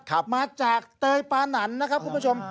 มาจากเตยปานันนะครับคุณผู้ชม